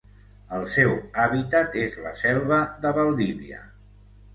El seu hàbitat és la selva de Valdivia.